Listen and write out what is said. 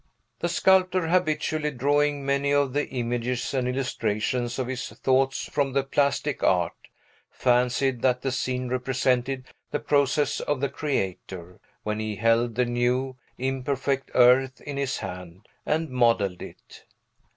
The sculptor, habitually drawing many of the images and illustrations of his thoughts from the plastic art, fancied that the scene represented the process of the Creator, when he held the new, imperfect earth in his hand, and modelled it.